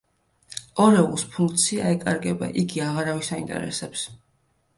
ორეულს ფუნქცია ეკარგება, იგი აღარავის აინტერესებს.